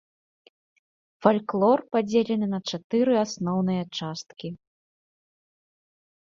Фальклор падзелены на чатыры асноўныя часткі.